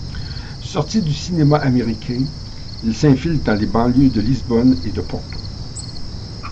Sorti du cinéma américain, il s'infiltre dans les banlieues de Lisbonne et de Porto.